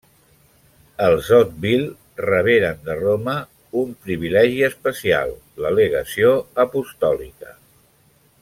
Els Hauteville reberen de Roma un privilegi especial: la legació apostòlica.